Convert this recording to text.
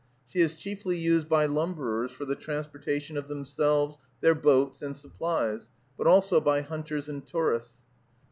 She is chiefly used by lumberers for the transportation of themselves, their boats, and supplies, but also by hunters and tourists.